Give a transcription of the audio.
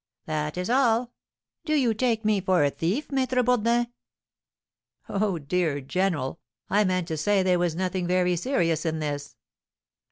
"That is all. Do you take me for a thief, Maître Bourdin?" "Oh, dear general! I meant to say there was nothing very serious in this."